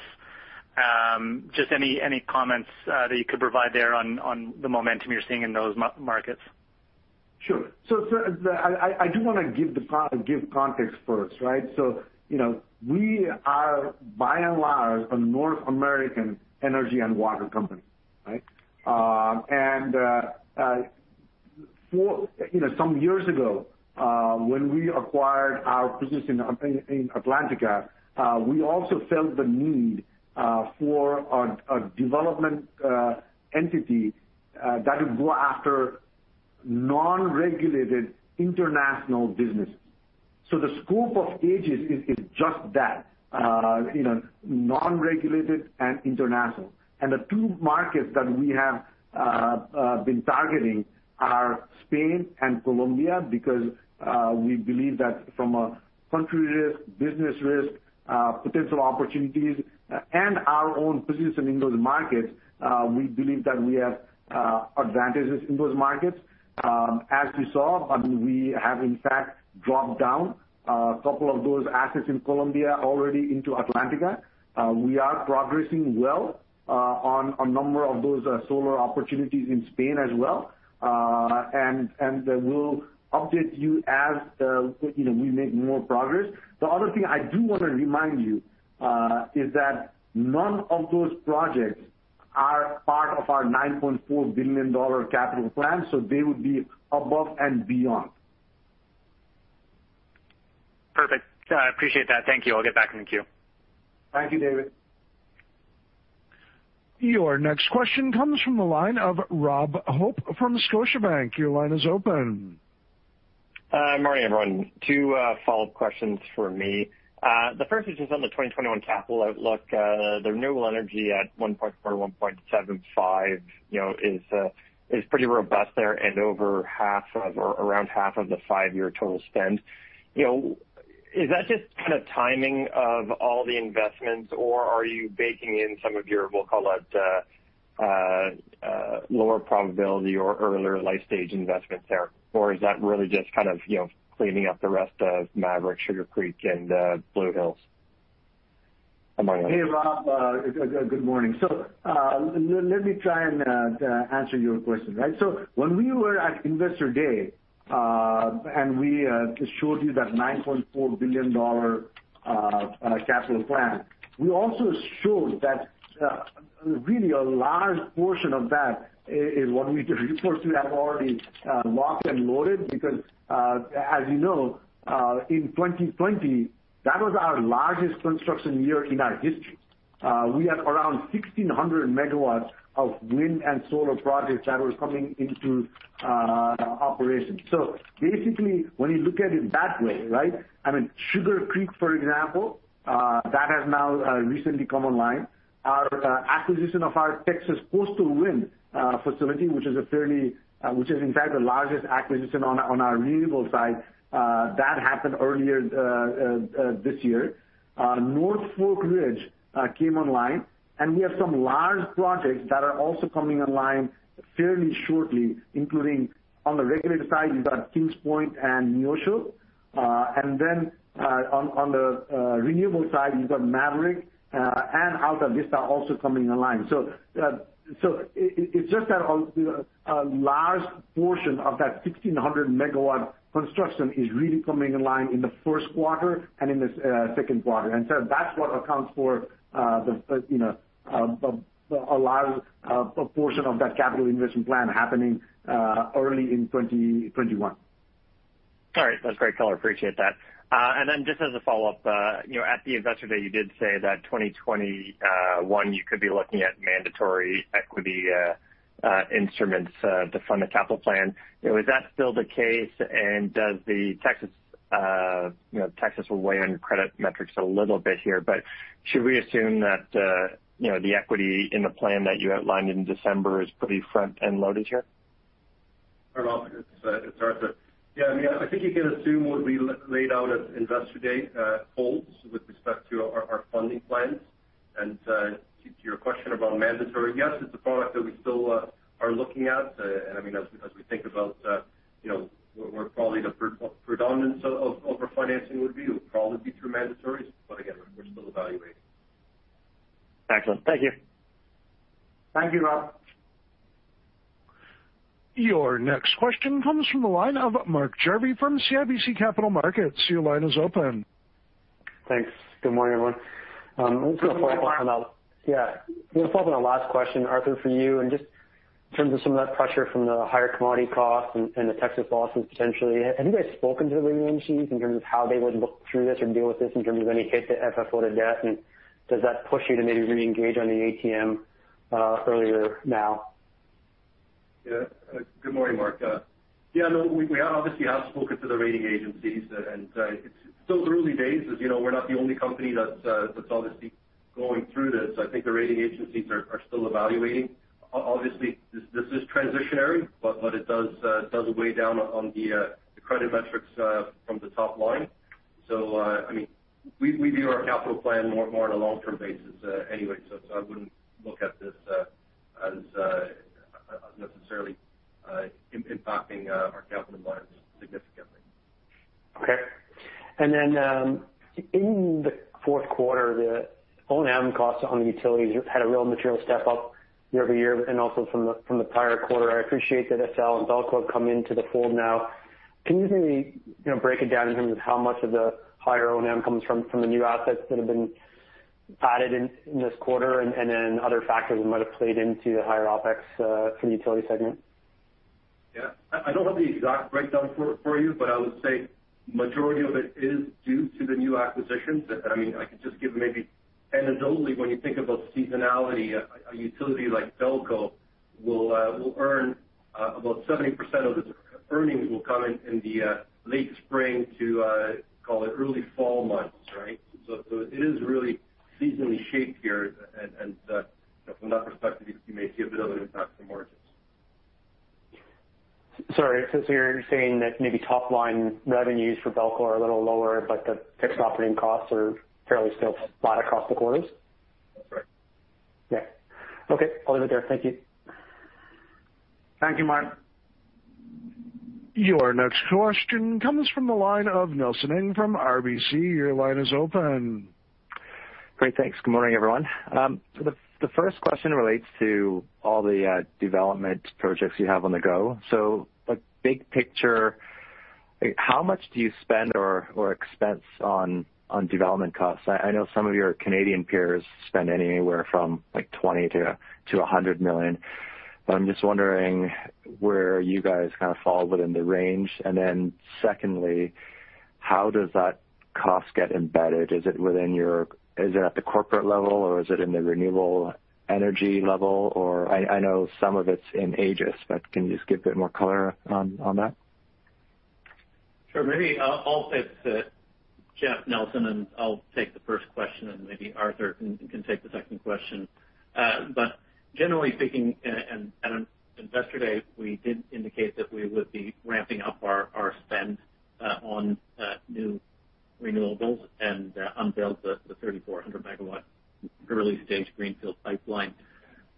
Just any comments that you could provide there on the momentum you're seeing in those markets? I do want to give context first, right? We are by and large, a North American energy and water company, right? Some years ago, when we acquired our position in Atlantica, we also felt the need for a development entity that would go after non-regulated international businesses. The scope of AAGES is just that. Non-regulated and international. The two markets that we have been targeting are Spain and Colombia because we believe that from a country risk, business risk, potential opportunities and our own positions in those markets, we believe that we have advantages in those markets. As you saw, we have in fact dropped down a couple of those assets in Colombia already into Atlantica. We are progressing well on a number of those solar opportunities in Spain as well. We'll update you as we make more progress. The other thing I do want to remind you, is that none of those projects are part of our $9.4 billion capital plan, so they would be above and beyond. Perfect. I appreciate that. Thank you. I'll get back in the queue. Thank you, David. Your next question comes from the line of Rob Hope from Scotiabank. Your line is open. Hi, morning everyone. Two follow-up questions for me. The first is just on the 2021 capital outlook. The renewable energy at $1.4 billion-$1.75 billion is pretty robust there and over half of, or around half of the five-year total spend. Is that just kind of timing of all the investments or are you baking in some of your, we'll call it, lower probability or earlier life stage investments there? Is that really just kind of cleaning up the rest of Maverick, Sugar Creek, and Blue Hills, among others? Hey, Rob. Good morning. Let me try and answer your question. When we were at Investor Day, and we showed you that $9.4 billion capital plan, we also showed that really a large portion of that is what we refer to as already locked and loaded because, as you know, in 2020, that was our largest construction year in our history. We had around 1,600 MW of wind and solar projects that were coming into operation. Basically, when you look at it that way, right? I mean, Sugar Creek, for example, that has now recently come online. Our acquisition of our Texas Coastal Wind facility, which is in fact the largest acquisition on our renewable side, that happened earlier this year. North Fork Ridge came online, and we have some large projects that are also coming online fairly shortly, including on the regulated side, you've got Kings Point and Neosho. On the renewable side, you've got Maverick and Altavista also coming online. It's just that a large portion of that 1,600 MW construction is really coming online in the first quarter and in the second quarter. That's what accounts for a large proportion of that capital investment plan happening early in 2021. All right. That's great color. Appreciate that. Then just as a follow-up, at the Investor Day, you did say that 2021, you could be looking at mandatory equity instruments to fund the capital plan. Is that still the case? Does the Texas weigh on your credit metrics a little bit here, but should we assume that the equity in the plan that you outlined in December is pretty front-end loaded here? Hi Rob, it's Arthur. Yeah, I mean, I think you can assume what we laid out at Investor Day holds with respect to our funding plans. To your question about mandatory, yes, it's a product that we still are looking at. I mean, as we think about where probably the predominance of our financing would be, would probably be through mandatories. Again, we're still evaluating. Excellent. Thank you. Thank you, Rob. Your next question comes from the line of Mark Jarvi from CIBC Capital Markets. Your line is open. Thanks. Good morning, everyone. Good morning, Mark. Yeah. Just following on the last question, Arthur, for you, and just in terms of some of that pressure from the higher commodity costs and the Texas losses, potentially, have you guys spoken to the rating agencies in terms of how they would look through this or deal with this in terms of any hit to FFO to debt? Does that push you to maybe reengage on the ATM earlier now? Good morning, Mark. No, we obviously have spoken to the rating agencies. It's still early days. As you know, we're not the only company that's obviously going through this. I think the rating agencies are still evaluating. Obviously, this is transitionary, but it does weigh down on the credit metrics from the top line. We view our capital plan more on a long-term basis anyway. I wouldn't look at this as necessarily impacting our capital environment significantly. Okay. In the fourth quarter, the O&M costs on the utilities had a real material step-up year-over-year and also from the prior quarter. I appreciate that SL and BELCO have come into the fold now. Can you maybe break it down in terms of how much of the higher O&M comes from the new assets that have been added in this quarter and then other factors that might have played into the higher OpEx for the utility segment? I don't have the exact breakdown for you, but I would say majority of it is due to the new acquisitions. I could just give maybe anecdotally, when you think about seasonality, a utility like BELCO, about 70% of its earnings will come in the late spring to call it early fall months, right? It is really seasonally shaped here. From that perspective, you may see a bit of an impact to margins. Sorry. You're saying that maybe top-line revenues for BELCO are a little lower, but the fixed operating costs are fairly still flat across the quarters? That's right. Yeah. Okay. I'll leave it there. Thank you. Thank you, Mark. Your next question comes from the line of Nelson Ng from RBC. Your line is open. Great. Thanks. Good morning, everyone. The first question relates to all the development projects you have on the go. Big picture, how much do you spend or expense on development costs? I know some of your Canadian peers spend anywhere from 20 million-100 million. I'm just wondering where you guys kind of fall within the range? Secondly, how does that cost get embedded? Is it at the corporate level or is it in the Renewable Energy Group level? I know some of it's in AAGES, but can you just give a bit more color on that? Sure. Maybe I'll take Jeff, Nelson, and I'll take the first question, and maybe Arthur can take the second question. Generally speaking, at Investor Day, we did indicate that we would be ramping up our spend on new renewables and unveiled the 3,400 MW early-stage greenfield pipeline.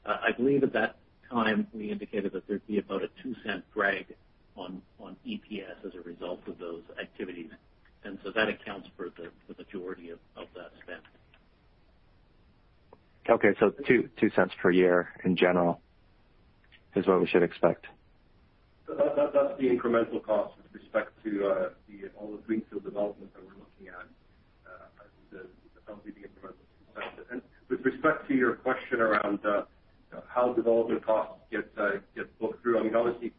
I believe at that time we indicated that there'd be about a $0.02 drag on EPS as a result of those activities, that accounts for the majority of that spend. Okay. $0.02 per year in general is what we should expect. That's the incremental cost with respect to all the greenfield development that we're looking at as the company being progressive. With respect to your question around how development costs get booked through, obviously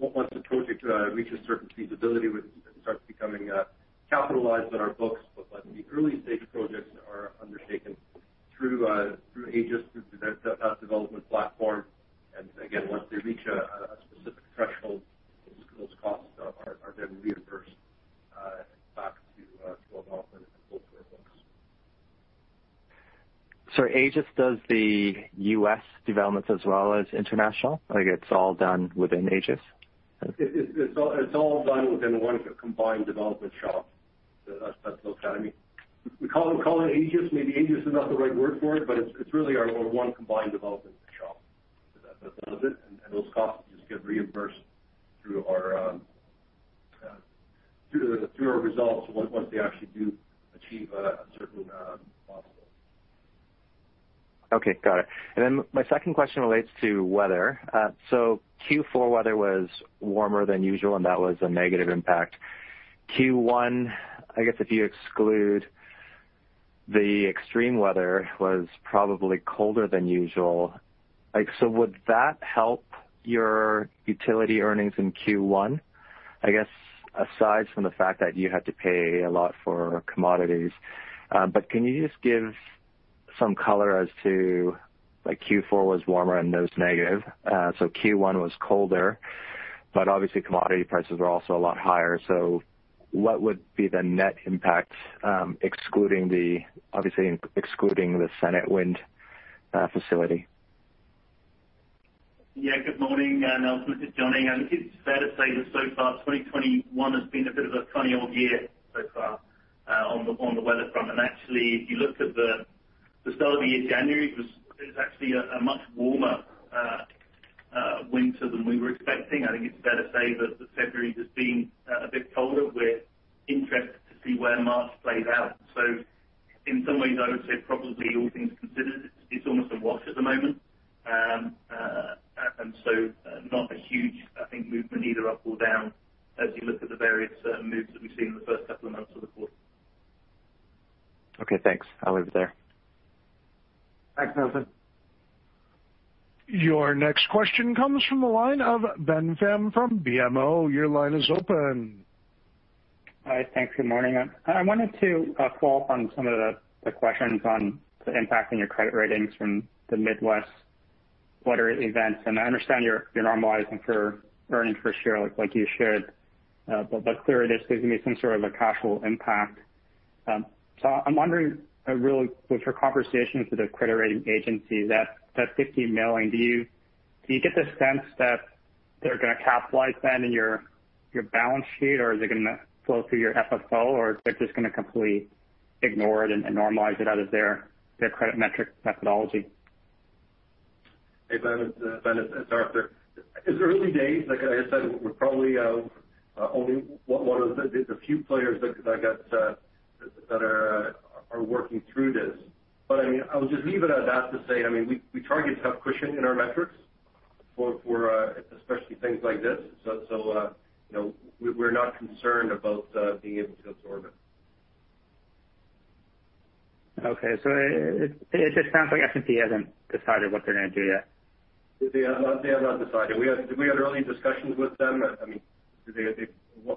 once a project reaches certain feasibility, it starts becoming capitalized on our books. The early-stage projects are undertaken through AAGES, through that development platform. Again, once they reach a specific threshold, those costs are then reimbursed back to development and posted to our books. AAGES does the U.S. developments as well as international? It's all done within AAGES? It's all done within one combined development shop at this point in time. We call it AAGES. Maybe AAGES is not the right word for it, but it's really our one combined development shop that does it. Those costs just get reimbursed through our results once they actually do achieve a certain milestone. Okay. Got it. My second question relates to weather. Q4 weather was warmer than usual, and that was a negative impact. Q1, I guess if you exclude the extreme weather, was probably colder than usual. Would that help your utility earnings in Q1? I guess aside from the fact that you had to pay a lot for commodities. Can you just give some color as to Q4 was warmer and that was negative. Q1 was colder, but obviously commodity prices are also a lot higher. What would be the net impact, obviously excluding the Senate Wind facility? Yeah. Good morning, Nelson. It's Johnny. I think it's fair to say that so far 2021 has been a bit of a funny old year so far on the weather front. Actually, if you look at the start of the year, January was actually a much warmer winter than we were expecting. I think it's fair to say that February has been a bit colder. We're interested to see where March plays out. In some ways, I would say probably all things considered, it's almost a wash at the moment. Not a huge, I think, movement either up or down as you look at the various moves that we've seen in the first couple of months of the quarter. Okay, thanks. I'll leave it there. Thanks, Nelson. Your next question comes from the line of Ben Pham from BMO. Your line is open. Hi. Thanks. Good morning. I wanted to follow up on some of the questions on the impact on your credit ratings from the Midwest weather events. I understand you're normalizing for earnings per share look like you should. Clearly, this gives me some sort of a cash flow impact. I'm wondering, with your conversations with the credit rating agencies, that $50 million, do you get the sense that they're going to capitalize that in your balance sheet or is it going to flow through your FFO? Are they just going to completely ignore it and normalize it out of their credit metric methodology? Hey, Ben. It's Arthur. It's early days. Like I said, we're probably only one of the few players that are working through this. I will just leave it at that to say we target to have cushion in our metrics for especially things like this. We're not concerned about being able to absorb it. Okay. It just sounds like S&P hasn't decided what they're going to do yet. They have not decided. We had early discussions with them. They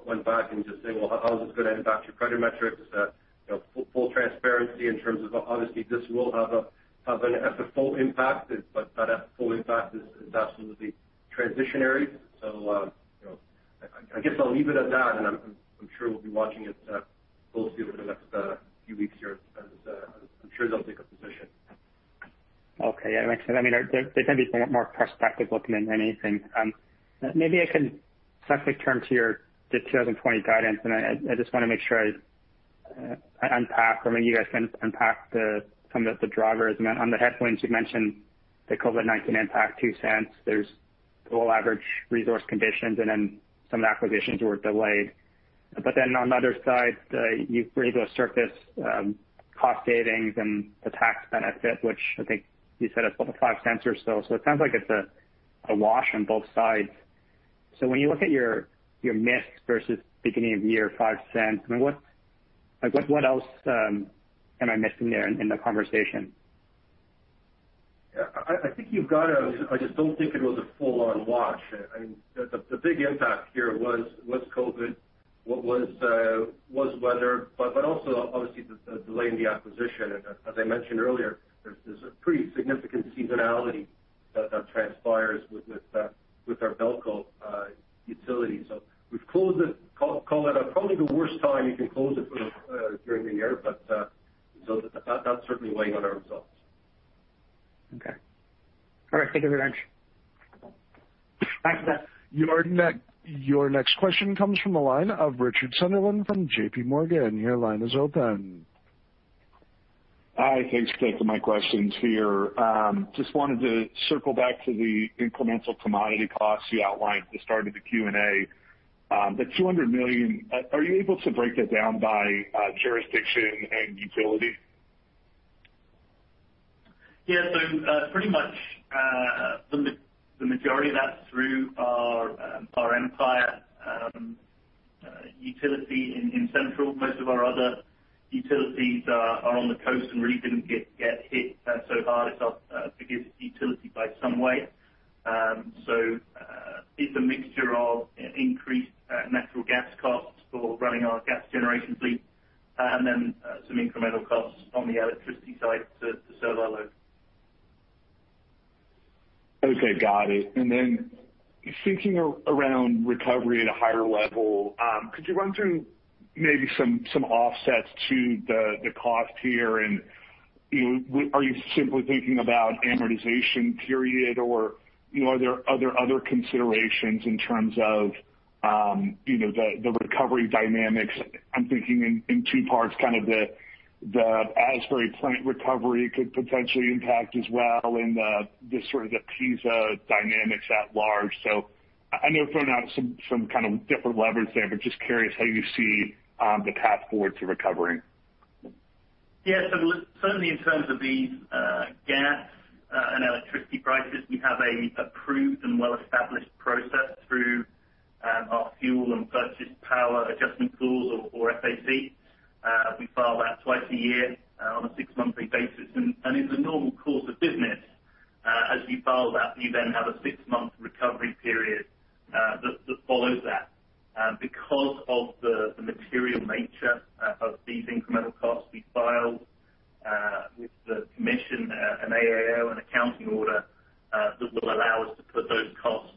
went back and just saying, well, how is this going to impact your credit metrics? Full transparency in terms of, obviously, this will have an FFO impact. That FFO impact is absolutely transitionary. I guess I'll leave it at that, and I'm sure we'll be watching it closely over the next few weeks here, as I'm sure they'll take a position. Okay. Yeah, makes sense. They tend to be more prospective looking than anything. Maybe I can quickly turn to your 2020 guidance. I just want to make sure I unpack or maybe you guys can unpack some of the drivers. On the headwinds you mentioned the COVID-19 impact, $0.02. There's lower average resource conditions, and then some acquisitions were delayed. On the other side, you've raised those synergy cost savings and the tax benefit, which I think you said about $0.05 or so. It sounds like it's a wash on both sides. When you look at your miss versus beginning of year, $0.05, what else am I missing there in the conversation? I think you've got it. I just don't think it was a full-on wash. The big impact here was COVID, was weather, but also obviously the delay in the acquisition. As I mentioned earlier, there's a pretty significant seasonality that transpires with our BELCO utility. We've called it probably the worst time you can close it during the year, but that's certainly weighing on our results. Okay. All right. Thank you very much. Bye. Your next question comes from the line of Richard Sunderland from JPMorgan. Your line is open. Hi. Thanks. Taking my questions here. Just wanted to circle back to the incremental commodity costs you outlined at the start of the Q&A. The $200 million, are you able to break that down by jurisdiction and utility? Yeah. Pretty much the majority of that's through our Empire utility in Central. Most of our other utilities are on the coast and really didn't get hit so hard. It's our biggest utility by some way. It's a mixture of increased natural gas costs for running our gas generation fleet and then some incremental costs on the electricity side to serve our load. Okay, got it. Then thinking around recovery at a higher level, could you run through maybe some offsets to the cost here? Are you simply thinking about amortization period, or are there other considerations in terms of the recovery dynamics? I'm thinking in two parts, kind of the Asbury plant recovery could potentially impact as well, and the sort of APESA dynamics at large. I know throwing out some kind of different levers there, but just curious how you see the path forward to recovering. Certainly in terms of these gas and electricity prices, we have an approved and well-established process through our fuel and purchased power adjustment tools or FAC. We file that twice a year on a six-monthly basis. In the normal course of business as we file that, you then have a six-month recovery period that follows that. Because of the material nature of these incremental costs, we file with the commission an AAO, an accounting order that will allow us to put those costs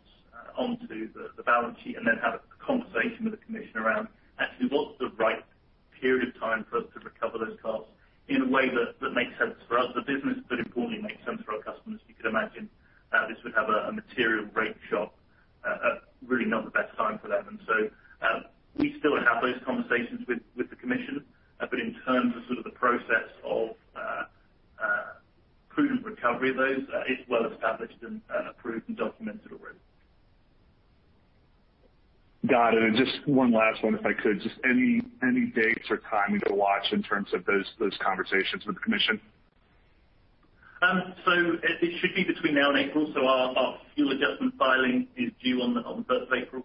onto the balance sheet and then have a conversation with the commission around actually what's the right period of time for us to recover those costs in a way that makes sense for us, the business, but importantly makes sense for our customers. You could imagine this would have a material rate shock, really not the best time for that. We still have those conversations with the commission. In terms of sort of the process of prudent recovery of those, it's well established and approved and documented already. Got it. Just one last one, if I could. Just any dates or timing to watch in terms of those conversations with the Commission? It should be between now and April. Our fuel adjustment filing is due on 1st April.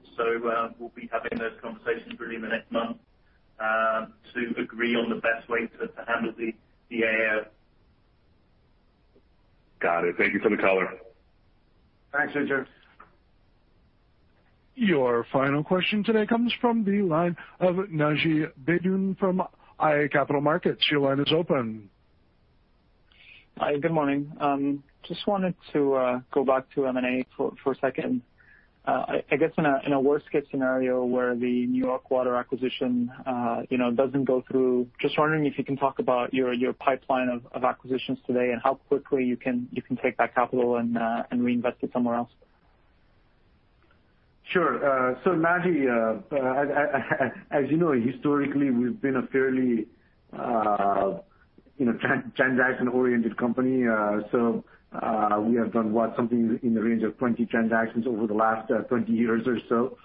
We'll be having those conversations really in the next month to agree on the best way to handle the AAO. Got it. Thank you for the color. Thanks, Richard. Your final question today comes from the line of Naji Baydoun from iA Capital Markets. Your line is open. Hi, good morning. Just wanted to go back to M&A for a second. I guess in a worst-case scenario where the New York Water acquisition doesn't go through, just wondering if you can talk about your pipeline of acquisitions today and how quickly you can take that capital and reinvest it somewhere else? Sure. Naji, as you know, historically, we've been a fairly transaction-oriented company. We have done, what, something in the range of 20 transactions over the last 20 years or so.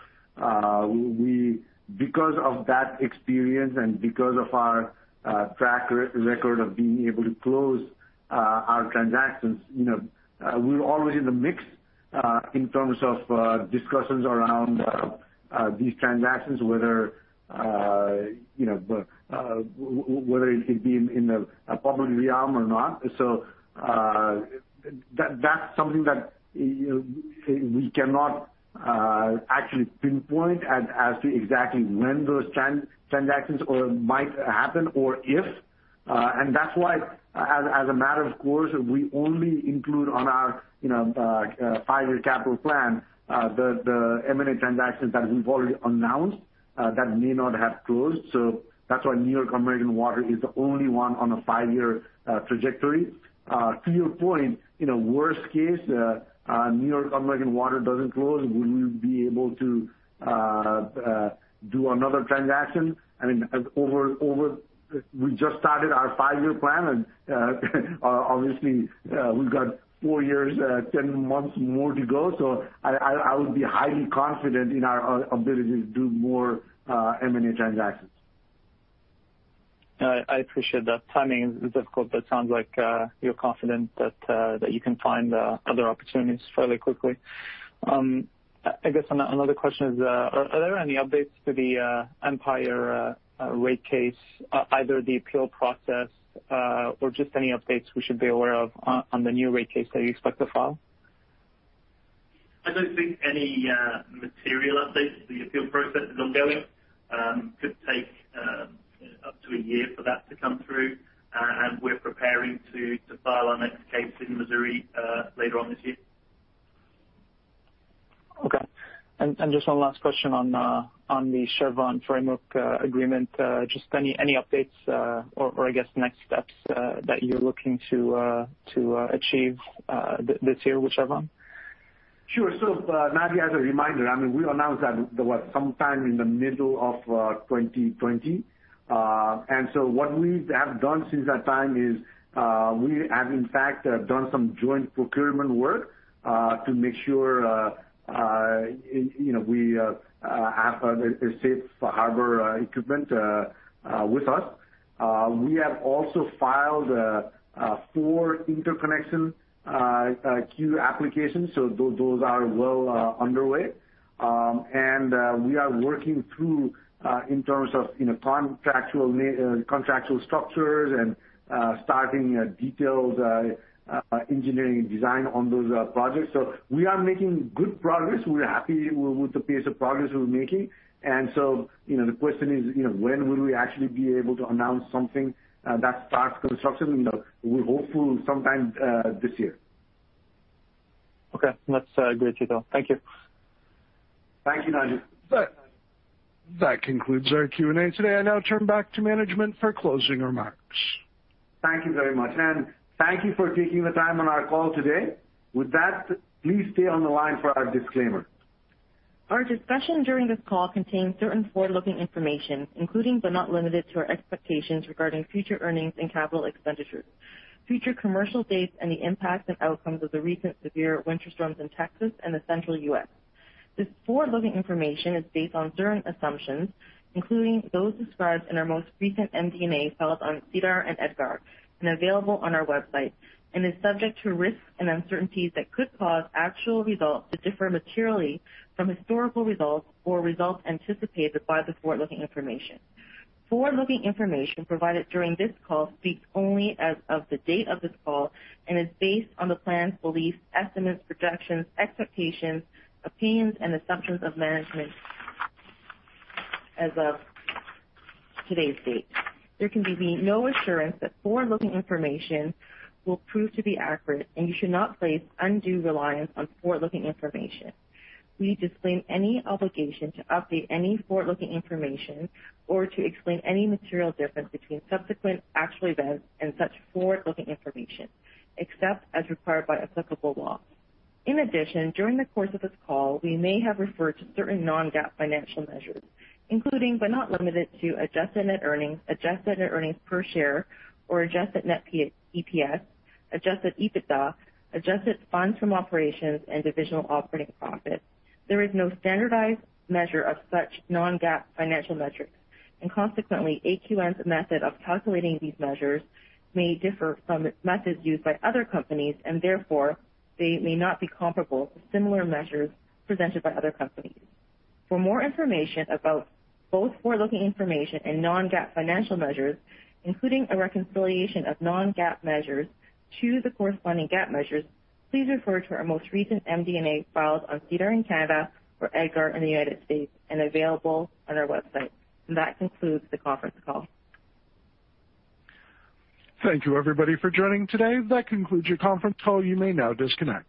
Because of that experience and because of our track record of being able to close our transactions, we're always in the mix in terms of discussions around these transactions, whether it be in the public realm or not. That's something that we cannot actually pinpoint as to exactly when those transactions might happen, or if. That's why, as a matter of course, we only include on our five-year capital plan the M&A transactions that we've already announced that may not have closed. That's why New York American Water is the only one on a five-year trajectory. To your point, worst case, New York American Water doesn't close, would we be able to do another transaction? I mean, we just started our five-year plan. Obviously, we've got four years, 10 months more to go. I would be highly confident in our ability to do more M&A transactions. I appreciate that. Timing is difficult, but sounds like you're confident that you can find other opportunities fairly quickly. I guess another question is, are there any updates to the Empire rate case, either the appeal process, or just any updates we should be aware of on the new rate case that you expect to file? I don't think any material updates. The appeal process is ongoing. Could take up to a year for that to come through. We're preparing to file our next case in Missouri later on this year. Okay. Just one last question on the Chevron framework agreement. Just any updates, or I guess next steps that you're looking to achieve this year with Chevron? Sure. Naji, as a reminder, I mean, we announced that, what, sometime in the middle of 2020. What we have done since that time is, we have in fact done some joint procurement work to make sure we have a safe harbor equipment with us. We have also filed four interconnection queue applications, those are well underway. We are working through in terms of contractual structures and starting detailed engineering and design on those projects. We are making good progress. We're happy with the pace of progress we're making. The question is, when will we actually be able to announce something that starts construction? We're hopeful sometime this year. Okay. That's a great detail. Thank you. Thank you, Naji. That concludes our Q&A today. I now turn back to management for closing remarks. Thank you very much. Thank you for taking the time on our call today. With that, please stay on the line for our disclaimer. Our discussion during this call contains certain forward-looking information, including but not limited to, our expectations regarding future earnings and capital expenditures, future commercial dates, and the impacts and outcomes of the recent severe winter storms in Texas and the central U.S. This forward-looking information is based on certain assumptions, including those described in our most recent MD&A filed on SEDAR and EDGAR and available on our website, and is subject to risks and uncertainties that could cause actual results to differ materially from historical results or results anticipated by the forward-looking information. Forward-looking information provided during this call speaks only as of the date of this call and is based on the plans, beliefs, estimates, projections, expectations, opinions, and assumptions of management as of today's date. There can be no assurance that forward-looking information will prove to be accurate, and you should not place undue reliance on forward-looking information. We disclaim any obligation to update any forward-looking information or to explain any material difference between subsequent actual events and such forward-looking information, except as required by applicable law. In addition, during the course of this call, we may have referred to certain non-GAAP financial measures, including but not limited to, adjusted net earnings, adjusted net earnings per share or adjusted net EPS, adjusted EBITDA, adjusted funds from operations, and divisional operating profits. There is no standardized measure of such non-GAAP financial metrics, and consequently, AQN's method of calculating these measures may differ from methods used by other companies, and therefore, they may not be comparable to similar measures presented by other companies. For more information about both forward-looking information and non-GAAP financial measures, including a reconciliation of non-GAAP measures to the corresponding GAAP measures, please refer to our most recent MD&A filed on SEDAR in Canada or EDGAR in the United States, and available on our website. That concludes the conference call. Thank you, everybody, for joining today. That concludes your conference call. You may now disconnect.